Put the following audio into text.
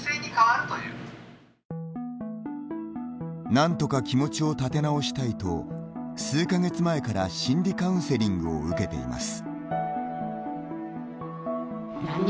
なんとか気持ちを立て直したいと、数か月前から心理カウンセリングを受けています。